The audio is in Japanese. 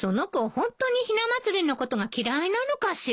本当にひな祭りのことが嫌いなのかしら。